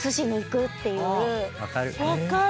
分かる！